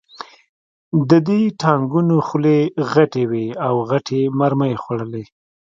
د دې ټانکونو خولې غټې وې او غټې مرمۍ یې خوړلې